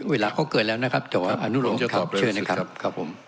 เวลาเขาเกินแล้วนะครับแต่ว่าอนุโลมครับเชิญนะครับครับผม